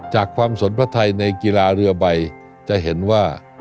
จากความสนพระไทยในกีฬาเรือใบจะเห็นว่า